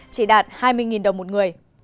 chỉ đạt hai mươi đồng một người